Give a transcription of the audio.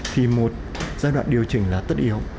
thì một giai đoạn điều chỉnh là tất yếu